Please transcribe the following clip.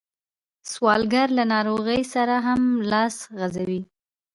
سوالګر له ناروغۍ سره هم لاس غځوي